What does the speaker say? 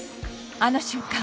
あの瞬間